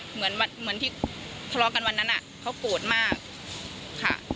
เหมือนเหมือนที่ทะเลาะกันวันนั้นเขาโกรธมากค่ะ